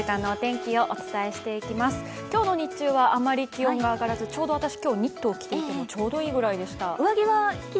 今日の日中はあまり気温が上がらず今日、私わ、ニットを着ていてもちょうどいいぐらいでした。